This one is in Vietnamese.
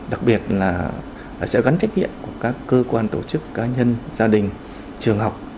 đặc biệt là sẽ gắn trách nhiệm của các cơ quan tổ chức cá nhân gia đình trường học